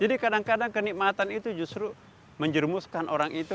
jadi kadang kadang kenikmatan itu justru menjermuskan orang itu